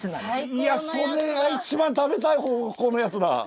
いやそれが一番食べたい方向のやつだ。